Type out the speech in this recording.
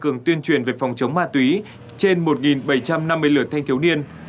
thường tuyên truyền về phòng chống ma túy trên một bảy trăm năm mươi lửa thanh thiếu niên